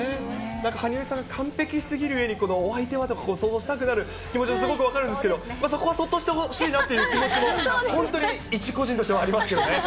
なんか羽生さんが完璧すぎるゆえに、お相手はと想像したくなる気持ちはすごく分かるんですけど、そこはそっとしてほしいなという気持ちも、本当に一個人としてはありますよね。